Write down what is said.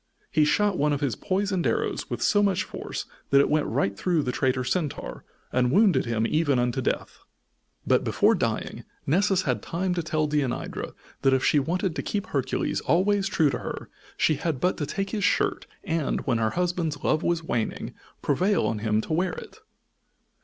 He shot one of his poisoned arrows with so much force that it went right through the traitor Centaur, and wounded him even unto death. But, before dying, Nessus had time to tell Deianira that if she wanted to keep Hercules always true to her she had but to take his shirt, and, when her husband's love was waning, prevail on him to wear it.